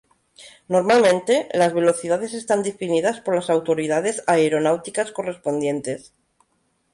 Normalmente, las velocidades están definidas por las autoridades aeronáuticas correspondientes.